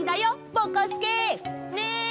ぼこすけ！ね！